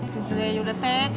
tuh sudah yuk detek